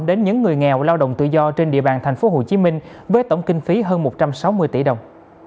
đến những người nghèo lao động tự do trên địa bàn tp hcm với tổng kinh phí hơn một trăm sáu mươi tỷ đồng